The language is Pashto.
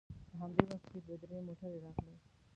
په همدې وخت کې دوې درې موټرې راغلې.